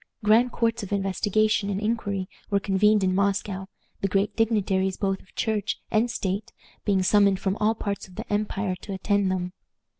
Grand courts of investigation and inquiry were convened in Moscow, the great dignitaries both of Church and state being summoned from all parts of the empire to attend them.